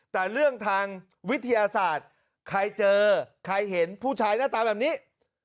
แต่เรื่องทางวิทยาศาสตร์ใครเจอใครเห็นผู้ชายหน้าตาแบบนี้